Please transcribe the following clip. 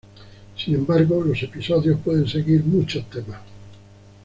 Sin embargo los episodios pueden seguir muchos temas.